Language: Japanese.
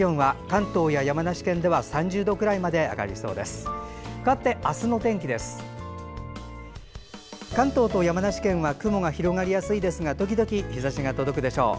関東と山梨県は雲が広がりやすいですが時々日ざしが届くでしょう。